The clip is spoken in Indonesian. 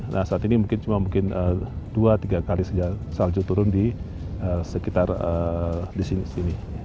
nah saat ini mungkin cuma mungkin dua tiga kali saja salju turun di sekitar di sini